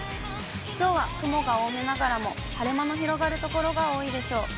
きょうは雲が多めながらも、晴れ間の広がる所が多いでしょう。